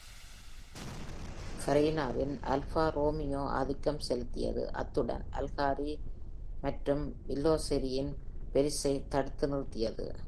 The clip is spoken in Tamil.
ஃபரினாவின் ஆல்ஃபா ரோமியோ ஆதிக்கம் செலுத்தியது, அத்துடன் அஸ்காரி மற்றும் வில்லோரெசியின் ஃபெராரிஸைத் தடுத்து நிறுத்தியது.